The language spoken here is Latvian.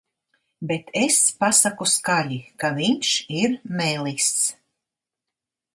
Bet es pasaku skaļi, ka viņš ir melis.